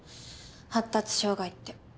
発達障害って。